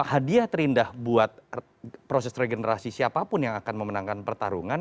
hadiah terindah buat proses regenerasi siapapun yang akan memenangkan pertarungan